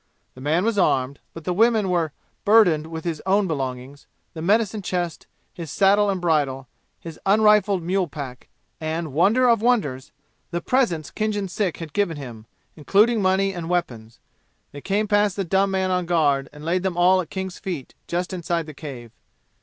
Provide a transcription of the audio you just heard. The man was armed, but the women were burdened with his own belongings the medicine chest his saddle and bridle his unrifled mule pack and, wonder of wonders! the presents Khinjan's sick had given him, including money and weapons. They came past the dumb man on guard and laid them all at King's feet just inside the cave.